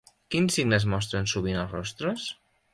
Quins signes mostren sovint els rostres?